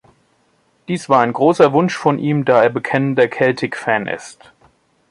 Dies war ein großer Wunsch von ihm, da er bekennender Celtic-Fan ist.